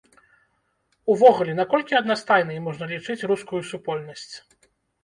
Увогуле, наколькі аднастайнай можна лічыць рускую супольнасць?